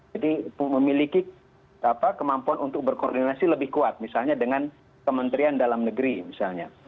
jadi memiliki kemampuan untuk berkoordinasi lebih kuat misalnya dengan kementerian dalam negeri misalnya